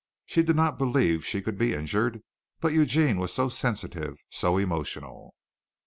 She did not believe she could be injured, but Eugene was so sensitive, so emotional.